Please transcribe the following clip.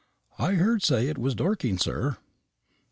"I heard say it was Dorking, sir."